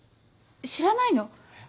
知らないの？